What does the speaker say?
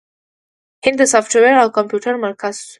هند د سافټویر او کمپیوټر مرکز شو.